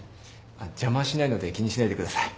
邪魔はしないので気にしないでください。